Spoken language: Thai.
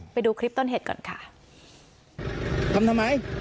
ไปดูคลิปต้นเห็ดก่อนค่ะ